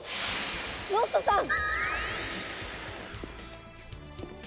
ロッソさん！